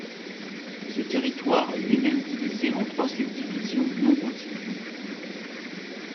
Ce territoire est lui-même divisé en trois subdivisions non contigües.